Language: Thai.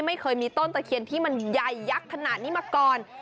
ไม่เคยมีต้นตะเคียนที่มันใหญ่ยักษ์ขนาดนี้มาก่อน